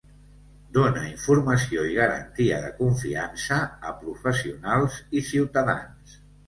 Dóna informació i garantia de confiança a professionals i ciutadans.